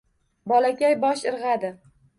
Bolakay bosh irg`adi